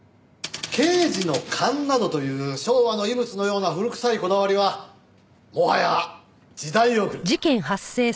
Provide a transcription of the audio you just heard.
刑事の勘などという昭和の遺物のような古くさいこだわりはもはや時代遅れだ。